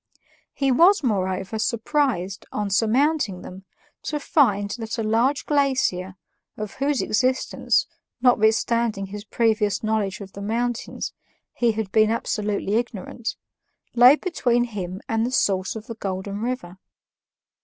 He was, moreover, surprised, on surmounting them, to find that a large glacier, of whose existence, notwithstanding his previous knowledge of the mountains, he had been absolutely ignorant, lay between him and the source of the Golden River.